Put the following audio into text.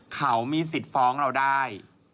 เขามีสิทธิ์ฟ้องเราได้